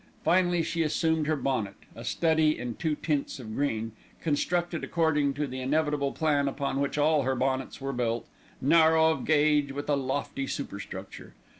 Finally she assumed her bonnet, a study in two tints of green, constructed according to the inevitable plan upon which all her bonnets were built, narrow of gauge with a lofty superstructure.